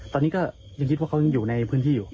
ตอนนี้ก็ยังคิดว่าเขายังอยู่ในพื้นที่อยู่